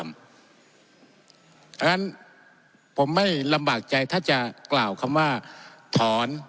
เพราะฉะนั้นผมไม่ลำบากใจถ้าจะกล่าวคำว่าถอน